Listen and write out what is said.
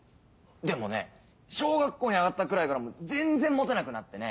でもね小学校に上がったくらいから全然モテなくなってね。